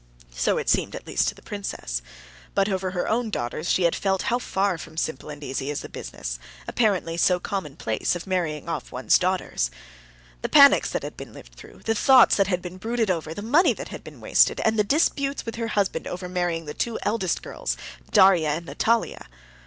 So it seemed, at least, to the princess. But over her own daughters she had felt how far from simple and easy is the business, apparently so commonplace, of marrying off one's daughters. The panics that had been lived through, the thoughts that had been brooded over, the money that had been wasted, and the disputes with her husband over marrying the two elder girls, Darya and Natalia!